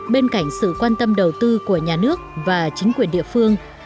bên cạnh sự quan tâm đầu tư của nhà nước và chính quyền địa phương